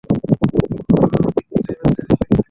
পুরো কৃতিত্বটা হচ্ছে অ্যালেক্সের!